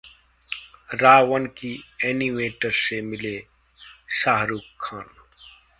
'रा.वन' की एनीमेटर से मिले शाहरुख खान